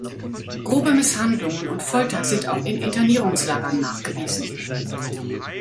Grobe Misshandlungen und Folter sind auch in Internierungslagern nachgewiesen.